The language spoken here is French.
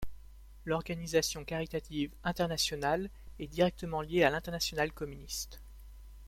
L'organisation caritative internationale est directement liée à l'Internationale communiste.